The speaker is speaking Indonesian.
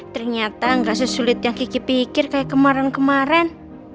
ternyata nggak sesulit yang kiki pikir kayak kemarin kemarin